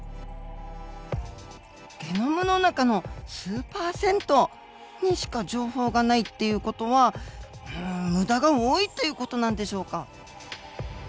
ゲノムの中の数％にしか情報がないっていう事は無駄が多いっていう事なんでしょうか。